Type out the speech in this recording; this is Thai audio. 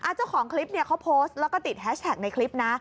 เจ้าของคลิปเขาโพสต์แล้วก็ติดแฮชแท็กในคลิปนะ